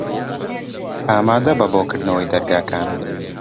ئامادە بە بۆ کردنەوەی دەرگاکان.